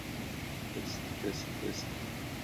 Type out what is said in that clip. Reclaim The Streets was originally formed by Earth First!